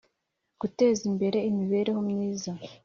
guteza imbere imibereho myiza